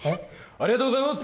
ありがとうございます！